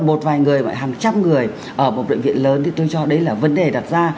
một vài người và hàng trăm người ở một bệnh viện lớn thì tôi cho đấy là vấn đề đặt ra